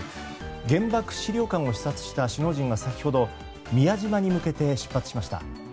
原爆資料館を視察した首脳陣は先ほど宮島に向けて出発しました。